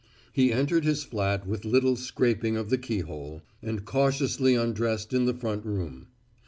He entered his flat with little scraping of the keyhole, and cautiously undressed in the front room.